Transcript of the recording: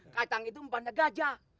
kacang itu mempanda gajah